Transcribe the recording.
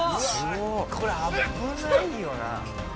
これ危ないよな。